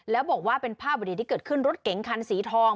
แล้วบอกว่าเป็นภาพบดีที่เกิดขึ้นรถเก๋งคันสีทอง